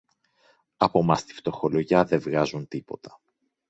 Από μας τη φτωχολογιά δε βγάζουν τίποτα.